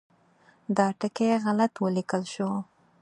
دا ټکی غلط ولیکل شو.